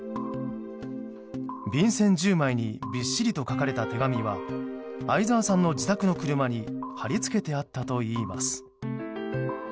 便せん１０枚にびっしりと書かれた手紙は相沢さんの自宅の車に貼り付けてあったといいます。